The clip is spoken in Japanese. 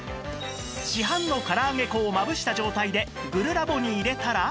市販の唐揚げ粉をまぶした状態でグルラボに入れたら